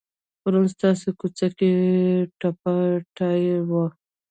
پرون ستاسو کوڅه کې ټپه ټایي وه.